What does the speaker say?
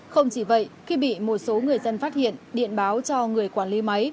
không chỉ vậy khi bị một số người dân phát hiện điện báo cho người quản lý máy